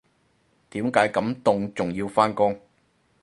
點解咁凍仲要返工